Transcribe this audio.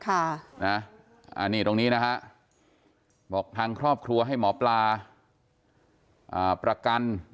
อันนี้ตรงนี้นะฮะบอกทางครอบครัวให้หมอปลาประกัน